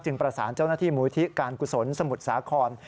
ประสานเจ้าหน้าที่มูลที่การกุศลสมุทรสาคร